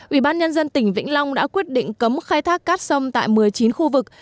ubnd tỉnh vĩnh long đã quyết định cấm khai thác cát sông tại một mươi chín khu vực